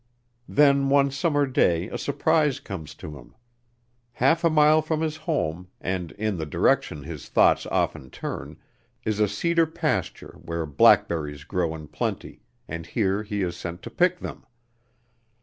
Then one summer day a surprise comes to him. Half a mile from his home, and in the direction his thoughts often turn, is a cedar pasture where blackberries grow in plenty, and here he is sent to pick them.